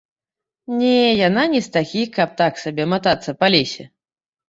Не, яны не з такіх, каб так сабе матацца па лесе.